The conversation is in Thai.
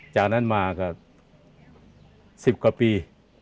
จากนั้นมาก็๑๐กว่าปี